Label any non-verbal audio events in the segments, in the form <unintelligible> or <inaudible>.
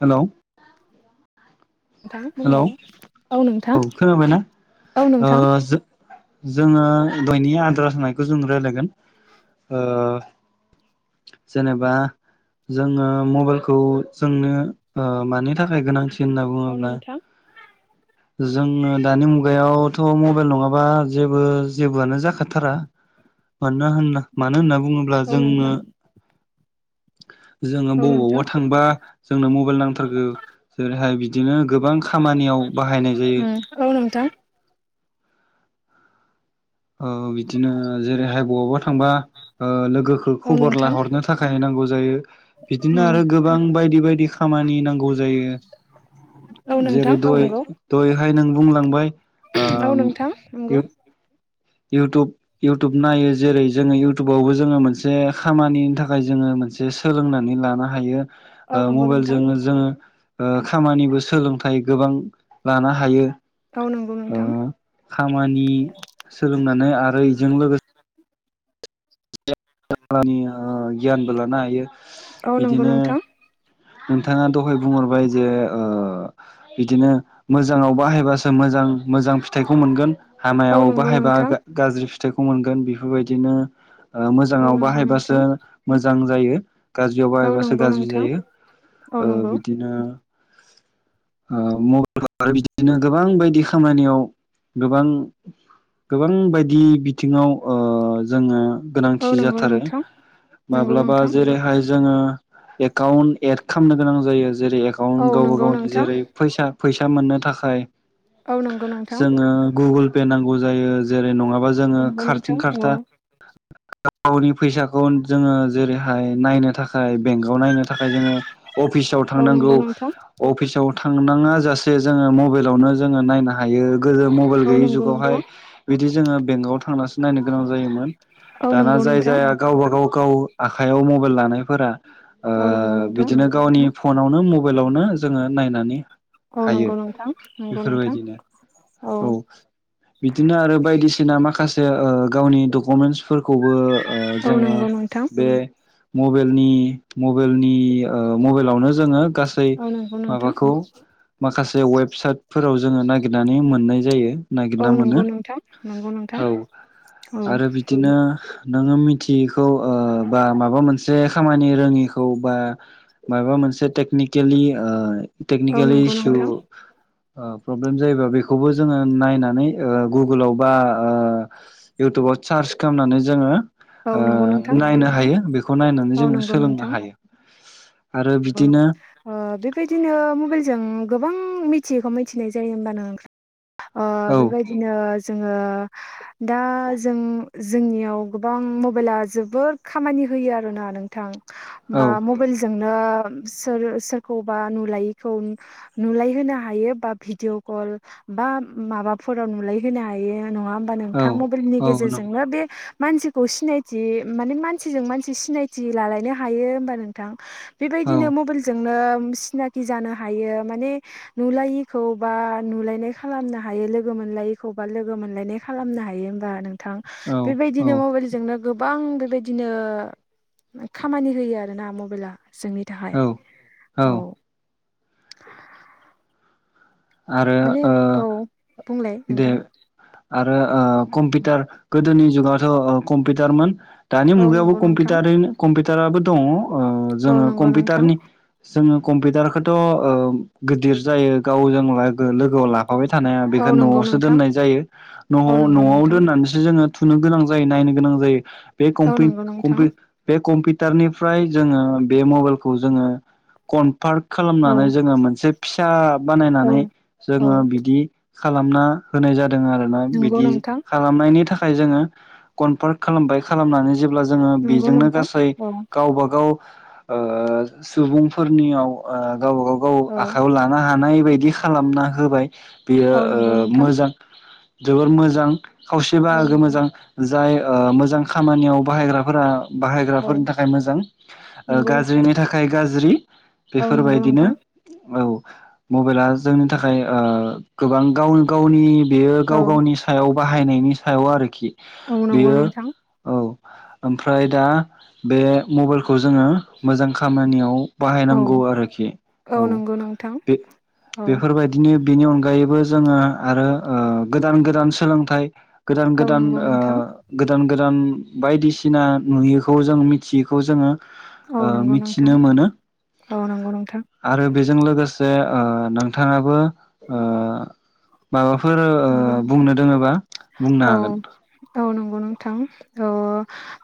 Hello नोंथां hello औ बुंलाय औ नोंथां खोनाबायना औ ओ नोंथां जो जोङो बयनि आद्रा होनायखौ जों राय्लायगोन ओ जेनेबा जोङो मबाइलखौ जोंनो मानि थाखाय गोनांथि होनना औ बुङोब्ला नोंथां जोङो दानि मुगायाव थ मबाइल नङाबा जेबो जेबोआनो जाखाथारा <unintelligible> मानो होन मानो होनना बुङोब्ला औ जोंनो नोंथां जोङो औ नोंथां बबावबा थांबा जोंनो मबाइल नांथारगौ जेरैहाय बिदिनो गोबां खामानियाव बाहायनाय जायो। उम औ नोंथां बिदिनो जेरैहाय बबबा थांबा ओ लोगोखौ औ खबर नोंथां लाहरनो थाखाय नांगौ बिदिनो उम आरो गोबां बायदि बायदि खाम नांगौ ज जेरै औ नोंथां जेरै दय नंगौ दय नथाय नों बुंलांबाय औ आं नोंथां नंगौ इउटुब इउटुब नायो जेरै जोङो इउटुबावबो जोङो मोनसे खामानिनि थाखाय जोङो मोनसे सोलोंनानै लानो हायो औ नंगौ नोंथां मबाइलजों जोङो खामानिबो सोलोंथाइ गोबां लानो हायो। औ नंगौ नोंथां खामानि सोलोंनानै आरो इजों लोगोसे नि गियानबो लानोा हायो। औ नंगौ बिदिनो नोंथां। नोंथाङा दहाय बुंहरबाय जे ओ बिदिनो मोजाङाव बाहायबासो मोजां मोजां फिथाइखौ मोनगोन। औ हामायाव नंगौ बाहायबा नोंथां गाज्रि फिथाइखौ मोनगोन बेफोरबायदिनो औ मोजाङाव नंगौ बाहायबासो नोंथां मोजां जायो गाज्रियाव औ बाहायबासो नंगौ गाज्रि नोंथां जायो। औ नंगौ बिदिनो मबाइलफ्र <unintelligible> आरो बिदिनो गोबां बायदि खामानियाव गोबां गोबां बायदि बिथिङाव जोङो औ गोनांथि नंगौ जाथारो नोंथां नंगौ माब्लाबा नोंथां जेरैहाय जोङो एकाउन्ट एड खामनो गोनां जायो जेरै औ एकाउन्ट गावबा नंगौ गावनि नोंथां जेरै - फैसा - फैसा मोननो थाखाय औ नंगौ नोंथां जोङो गुगोल पे नांगौ जायो जेरै नङाबा बा जोङो नंगौ खारथिं नोंथां औ खारथा गावनि फैसाखौ जोङो जेरैहाय नायनो थाखाय बेंकआव नायनो थाखाय खाय जोङो अफिसाव औ थांनांगौ नंगौ नोंथां - अफिसाव थांनाङा जासे जोङो मबाइलावनो जोङो नायनो हायो। गोदो मबाइल औ गैयि नंगौ जुगावहाय नोंथां - बिदि जोङो बेंकआव थांनासो नायनो गोनां जायोमोन औ दाना नंगौ जाय नोंथां जाया गावबा गाव गाव आखाइयाव मबाइल लानायफोरा औ नंगौ। ओ नोंथां बिदिनो गावनि फनावनो मबाइलावनो जोङो नायनानै औ हायो नंगौ नोंथां नंगौ नोंथां बेफोरबायदिनो औ बिदिनो आरो बायदिसिना माखासे ओ-ओह गावनि डकुमेन्टसफोरखौबो ओह औ जोङो नंगौ नोंथां बे मबाइलनि मबाइलनि ओह मबाइलावनो जों गासै औ नंगौ नोंथां माबाखौ माखसे से वेबसाइटफोराव जोङो नागिरनानै मोननाय जायो औ नायगिरना मोनो नंगौ नोंथां नंगौ नोंथां औ औ आरो बिदिनो नोङो मिथियिखौ ओह बा माबा मोनसे खामानि रोङिखौ बा माबा मोनसे टेकनिकेलि ओह औ टेकनिकेलि नंगौ इसु नोंथां ओह प्रब्लेम जायोबा बेखौबो जोङो नायनानै ओह गुगोलाव बा ओह इउटुबाव बाव चार्स खामनानै जोङो औ नंगौ ओह नोंथां नायनो हायो बेखौ नायनानै औ जोङो सोलोंनो हायो आरो ओम बिदिनो ओह बेबायदिनो मबाइलजों गोबां मिथियैखौ मिथिनाय जायो होमबानो ओह औ बेबायदिनो जोङो दा जों जोंनियाव गोबां मबाइला जोबोर खामानि होयो आरोना नोंथां औ बा मबाइलजों ओह सोर सोरखौबा नुलायिखौ नुलाय होनो हायो बा भिडिअ कल बा माबाफोराव नुलाय होनो हायो नङा होनबा औ नोंथां मबाइलनि औ नों गेजेरजोंनो बे मानसिखौ सिनायथि माने मानसिजों मानसि सिनायथि लालायनो हायो होमबा नोंथां औ बेबायदिनो मबाइलजोंनो सिनाकि जानो हायो माने नुलायिखौ बा नुलायनाय खालामनो हायो लोगो मोनलायिखौबो लोगो मोनलायनाम खालामनो हायो होनबा नोंथां औ औ बेबायदिनो मबाइलजोंनो गोबां बेबायदिनो खामानि होयो आरोना मबाइला जोंनि थाखाय औ औ आरो माने औ ओह बुंलाय दे नोंथां आरो ओह कम्पिउटार गोदोनि जुगावथ' कम्पिउटारमोन दानि औ मुगायावबो नंगौ नोंथां कमपिउटारै कम्पिउटाराबो दङ ओह औ जोङो नंगौ नोंथां कम्पिउटारनि जोङो कम्पिउटारखौथ' ओह गिदिर जायो गावजों लागो लोगोआव ला फाबाय थानो हाया बेखौ औ नंगौ न'आवसो दोननाय नोंथां जायो न'आव औ नंगौ न'आव नोंथां दोननानैसो जोङो थुनो गोनां जायो नायनो गोनां जायो बे औ कम्पि- नंगौ नोंथां कम्पि-बे कम्पि टार निफ्राय जोङो बे मबाइलखौ जोङो कनफार्क औ खालामनानै जोङो मोनसे फिसा औ बानायनानै औ जोङो बिदि खालामना होनाय जादों आरोना नंगौ बिदि नोंथां खालामनायनि थाखाय खाय जोङो कनफार्ट खालामबाय खालामनानै जेब्ला जोङो नंगौ बेजोंनो नोंथां गासै औ गावब गाव ओह सुबुंफोरनियाव ओह गावब गाव गाव औ आखायाव लानो हानाय बायदि खालामना होबाय बेयो औ नंगौ ओह नोंथां मोजां जोबोर मोजां खावसे औ बाहागो मोजां जाय ओह मोजां खामानियाव बाहायग्राफोरा औ बाहायग्राफोरनि थाखाय मोजां ओह नंगौ नोंथां गाज्रिनि थाखाय गाज्रि औ नंगौ बेफोरबायदिनो नोंथां औ मबाइला जोंनि थाखाय ओ गोबां गाव गावनि बेयो गाव औ गावनि सायाव बाहायनायनि सायाव आरोखि औ नंगौ बेयो नोंथां औ ओमफ्राय दा बे मबाइलखौ जोङो मोजां खामानियाव औ बाहायनांगौ आरोखि औ नंगौ नोंथां बे औ बेफोरबायदिनो बेनि अनगायैबो जोङो आरो ओ गोदान गोदान सोलोंथाइ गोदान औ गोदान नंगौ ओ नोंथां गोदान गोदान बायदिसिना नुयिखौ जों मिथियैखौ जोङो ओ औ नंगौ नोंथां मिथिनो मोनो औ नंगौ नोंथां आरो बेजों लोगोसे जे ओ नोंथाङाबो माबाफोर ओ बुंनो दोङोबा बुंनो औ हागोन औ नंगौ नोंथां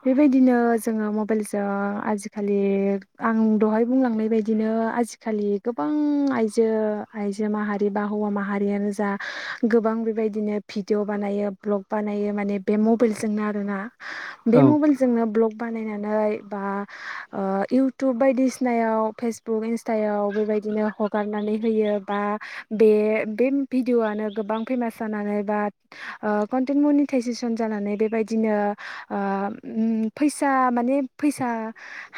बेबायदिनो जोङो मबाइलजों आजिखालि आं। दहाय बुंलांनाय बायदिनो आजिखालि गोबां आइजो आइजो माहारि बा हौवा माहारि। हारियानो जा गोबां बेबायदिनो भिडिअ बानायो भ्लग बानायो माने बे मबाइलजोंनो आरोना। औ बे मबाइलजोंनो ब्लक। बानायनानै बा ओ इउटुब बायदिसिनायाव फेसबुक इन्सथायाव बे बायदिनो हगारनानै होयो बा बे बे। भिदिअ'आनो गोबां फेमास जानानै बा कन्टेन्ट मनिटाइजेसन जानानै बेबायदिनो ओ फैसा माने फैसा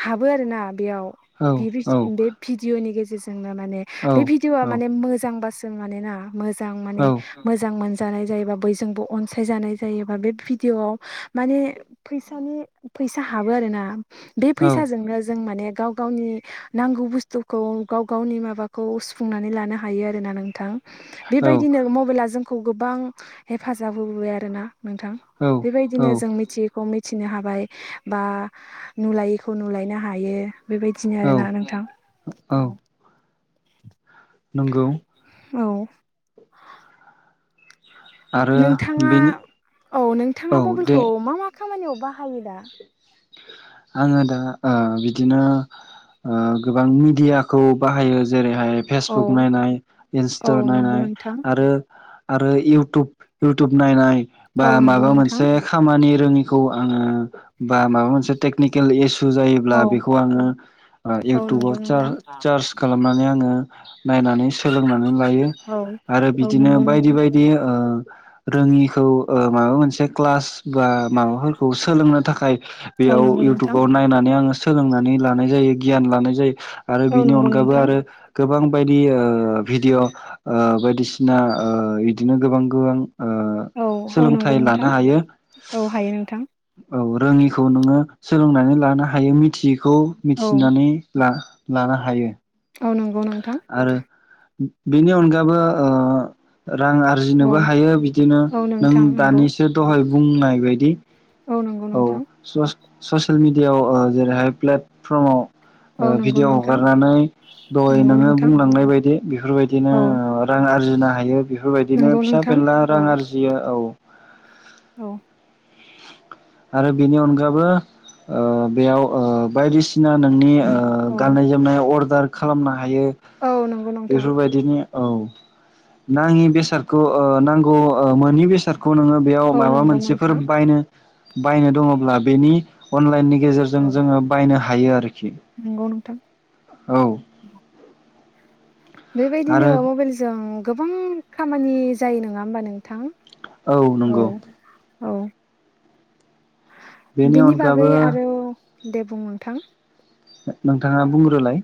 हाबो आरोना बेयाव औ औ बे भिडिअ'नि गेजेरजोंनो माने औ बे भिडिअ'आ औ माने मोजांबासो। मानेना मोजां माने औ मोजां मोन जानाय जायोबा बयजोंबो अनसायजानाय जायोबा बे भिडिअ आ माने फैसानि फैसा हाबो आरो ना बे औ फैसाजोंनो जों माने गाव गावनि नांगौ बुस्थुखौ गाव गावनि माबाखौ सुफुंनानै लानो हायो आरोना नोंथां बेबायदिनो मबाइला जोंखौ गोबां हेफाजाब होबोबाय आरोना। नोंथां औ बेबायदिनो जों औ मिथियि खौ मिथिनो हाबाय बा नुलायैखौ नुलायनो हायो। बेबायदिनो औ आरोना नोंथां नोंगौ। औ आरो नोंथाङा बेनि औ नोंथाङा औ दे मबाइलखौ मा मा खामानियाव बाहायो दा आङो दा ओ बिदिनो। ओ गोबां मिडियाखौ बाहायो जेरै ओमफ्राय औ फेसबुक नायनाय औ इन्स्टा नंगौ नायनाय नोंथां आरो आरो इउटुब इउटुब नायनाय बा औ नंगौ माबा नोंथां मोनसे खामानि रोङि खौ आङो बा माबा मोनसे टेकनिकेल इसु जायोब्ला औ बेखौ आङो औ इउटुबाव नंगौ सार्च नोंथां चार्स खालामनानै आङो नायनानै सोलोंनानै लायो औ आरो औ बिदिनो नंगौ बायदि नोंथां बायदि ओ रोङिखौ ओ माबा मोनसे क्लास बा माबाफोरखौ सोलोंनो औ बेयाव नंगौ नोंथां इउटुबाव नायनानै आङो सोलोंनानै लानाय जायो गियान लानाय जायो आरो औ बिनि नंगौ अनगाबो नोंथां आरो गोबां। गोबां बायदि ओ भिडिअ' ओ बायदिसिना बिदिनो गोबां गोबां ओ औ औ सोलोंथाइ नंगौ लानो नोंथां हायो औ हायो नोंथां औ रोङिखौ नोङो सोलोंनानै लानो हायो मिथियैखौ औ मिथिनानै ला लानो हायो औ नंगौ नोंथां। आरो बेनि अनगाबो ओ रां औ आरजिनोबो हायो बिदिनो औ नों नोंथां नंगौ दानिसो दहाय बुंनाय बायदि। औ नंगौ नोंथां। ससियेल मिडियायाव जेरैहाय प्लेटफर्माव ओ औ नंगौ भिडिय' नोंथां हगारनानै दहाय नंगौ नोङो नोंथां बुंलांनाय बायदि बेफोरबायदिनो औ रां आरजिनो हायो बेफोरबायदिनो नंगौ फिसा नोंथां बेेनला रां औ आरजियो औ। औ। आरो बेनि अनगाबो ओ बेयाव ओ बायदिसिना नोंनि ओ औ गाननाय जोमनाय अर्डार खालामनो हायो औ नंगौ नोंथां बेफोरबायदिनि औ नाङि बेसादखौ ओ नांगौ मोनि बेसाद -खौ नोङो बेयाव औ माबा नंगौ मोनसेफोर नोंथां बायनो बायनो दङब्ला बेनि अनलाइननि गेजेरजों औ जोङो बायनो हायो आरो। नंगौ नोंथां। औ बेबायदिनो आरो मबाइलजों गोबां खामानि जायो नङा होमबा नोंथां। औ नंगौ। औ बेनि बिनि बागै अनगाबो आरो दे बुं नोंथां। नोंथाङा बुंग्रोलाय।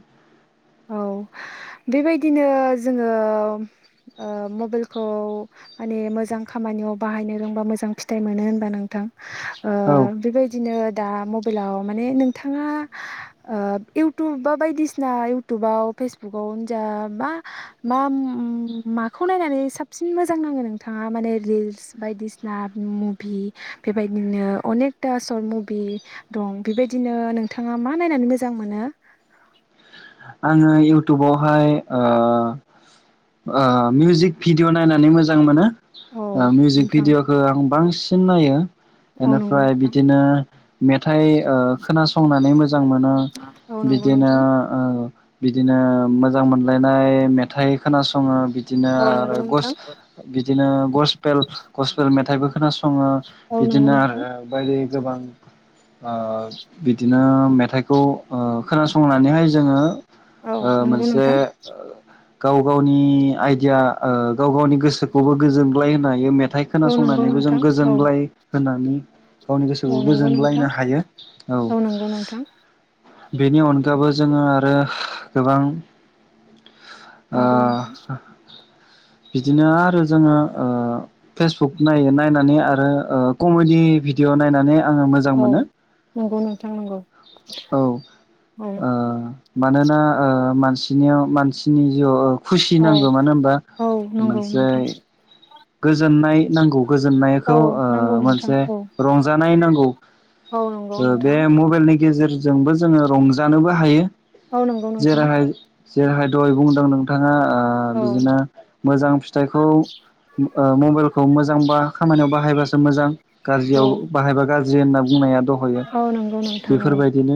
औ बेबायदिनो जोङो ओ मबाइलखौ माने मोजां खामा -नियाव बाहायनो रोंबा मोजां फिथाइ मोनो होनबा नोंथां ओ औ बेबायदिनो दा मबाइलाव माने नोंथाङा ओ इउटुब बा बायदिसिना इउटुबाव फेसबुकाव जा मा मा माखौ नायनानै साबसिन मोजां ना। -ङो नोंथाङा माने रिल्स बायदिसिना मुभि बेबायदिनो अनेकथा सर्ट मुभि दं बेबायदिनो नोंथाङा मा नायनानै मोजां मोनो? आङो इउटुबावहाय ओ ओ मिउजिक भिडिअ' नायनानै मोजां मोनो। औ ओ मिउजिक नोंथां भिडिअ'खौ आं बांसिन नायो औ नंगौ बेनिफ्राय नोंथां बिदिनो मेथाइ ओ खोनासंनानै मोजां मोनो औ नंगौ बिदिनो नोंथां ओ बिदिनो मोजां मोनलायनाय मेथाइ खोनासङो बि -दिनो औ नंगौ आरो गस नोंथां। बिदिनो गसपेल गसपेल मेथाइबो खोनासं -ङो औ नंगौ बिदिनो नोंथां आरो बायदि गोबां ओ बिदिनो मेथाइखौ ओ खोनासंनानैहाय जोङो औ ओ नंगौ मोनसे नोंथां ओ गाव गावनि आइडिया ओ गाव गावनि गोसोखौबो गोजोनग्लाय होनो हायो मेथ -थाय औ नंगौ खोनासंनानैबो जों नोंथां औ गोजोनग्लाय होननानै। गावनि औ गोसोखौ नंगौ नोंथां गोजोनग्लायनो हायो औ नंगौ नोंथां बेनि अनगाबबो जोङो आरो गोबां ओ नोंंगौ नोंथा। <unintelligible> बिदिनो आरो जोङो ओ फेसबुक नायो नायनानै आरो कमेडि भिडिअ' नायनानै आङो मोजां औ मोनो नंगौ नोंथां नंगौ औ ओ औ मानोना ओ मानसिनियाव मानसिनि जिउआव खुसि औ नांगौ मानो होनबा औ नंगौ मोनसे नोंथां गोजोननाय नांगौ औ गोजोननायखौ ओ नांगौ नोंथां मोनसे औ रंजानाय नांगौ। औ नंगौ ओ बे नोंथां। मबाइलनि गेजेरजोंबो जोङो रंजानोबो हायो। औ नंगौ नोंथां। जेरहाय दहय बुंदों नोंथाङा ओ औ बिदिनो मोजां फिथाइखौ ओ मबाइलखौ मोजांबा खामानियाव बाहायबासो मोजां औ गाज्रियाव बाहायबा गाज्रि होनना बुं -नाया दहयो <unintelligible> बेफोरबायदिनो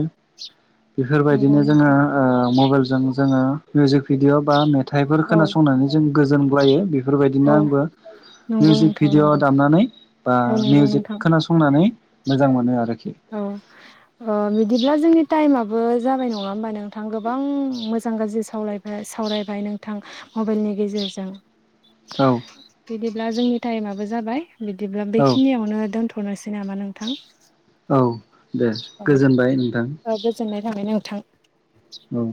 नंगौ जोंङो नोंथां ओ मबाइलजों जोंङो मिउजिक भिडिअ' बा <unintelligible> मेथाइ फोर औ खोनासंनानै जों गोजोनग्लायो औ बेफोरबायदिनो आंबो नंगौ मिउजिक नोंथां भिडिअ' नंगौ दामनानै बा औ नंगौ मिउजिक नोंथां खोनासंनानै मोजां मोनो आरो। औ अ <unintelligible> बिदिब्ला जोंनि टाइमाबो जाबाय नंङा होमबा नोंथां गोबां मोजां गाज्रि सावलायबाय-सावरायबाय। नोंथां मबाइलनि गेजेरजों। औ बिदिब्ला जोंनि टाइमआबो जाबाय बिदिब्ला औ बेखिनियावनो दोनथ' हरनोसै नामा नोंथां? औ दे औ गोजोनबाय नोंथां। <unintelligible> नोंथां। औ।